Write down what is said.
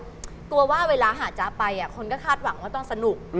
กลัวว่าเวลาหาจ๊ะไปคนก็คาดหวังว่าต้องสนุก